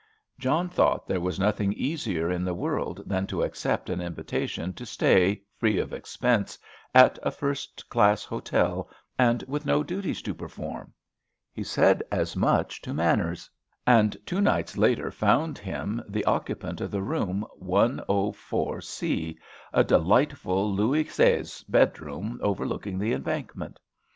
John thought there was nothing easier in the world than to accept an invitation to stay, free of expense, at a first class hotel, and with no duties to perform. He said as much to Manners, and two nights later found him the occupant of the room 1046, a delightful Louis Seize bedroom overlooking the Embankment.